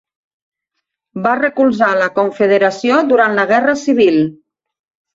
Va recolzar la confederació durant la guerra civil.